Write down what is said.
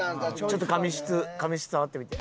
ちょっと髪質髪質触ってみて。